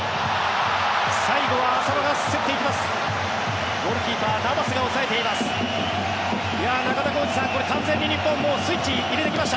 最後は浅野が競っていきます。